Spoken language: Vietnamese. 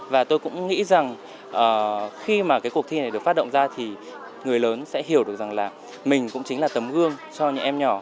và tôi cũng nghĩ rằng khi mà cái cuộc thi này được phát động ra thì người lớn sẽ hiểu được rằng là mình cũng chính là tấm gương cho những em nhỏ